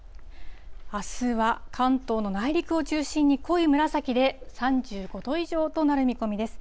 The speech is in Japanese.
あすは関東の内陸を中心に濃い紫で、３５度以上となる見込みです。